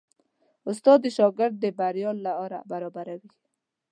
استاد د شاګرد د بریا لاره برابروي.